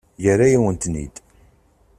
Yerra-yawen-ten-id.